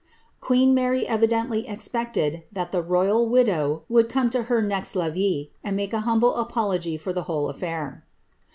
Queen Mary evidently expected that tlie royal widow would come to her next leree, and make a humble apology for the whole affair.